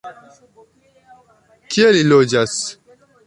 Kie li loĝas?